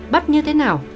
bắt như thế nào